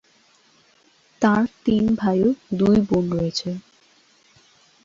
তাঁর তিন ভাই ও দুই বোন রয়েছে।